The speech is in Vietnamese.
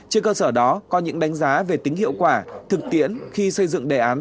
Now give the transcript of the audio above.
trên cơ sở đó có những đánh giá về tính hiệu quả thực tiễn khi xây dựng đề án